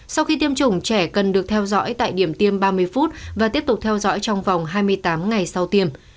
sau khi tiêm chủng trẻ cần được theo dõi tại điểm tiêm ba mươi phút và tiếp tục theo dõi trong vòng hai mươi tám ngày sau tiêm